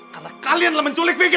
karena kalianlah menculik vicky